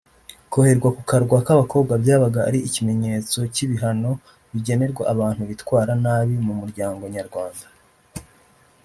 Koherwa ku Karwa k’Abakobwa byabaga ari nk’ikimenyetso cy’ibihano bigenerwa abantu bitwara nabi mu muryango nyarwanda